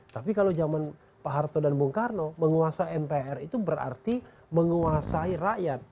tapi kalau zaman pak harto dan bung karno menguasa mpr itu berarti menguasai rakyat